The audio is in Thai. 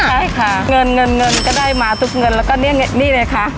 ใช่ค่ะเงินก็ได้มาทุกเงินแล้วก็นี่เลยค่ะ